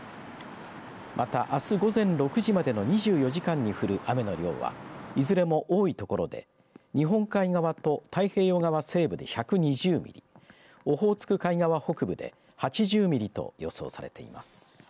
また、あす午前６時までの２４時間に降る雨の量はいずれも多いところで日本海側と太平洋側西部で１２０ミリオホーツク海側北部で８０ミリと予想されています。